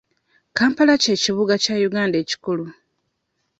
Kampala ky'ekibuga kya Uganda ekikulu.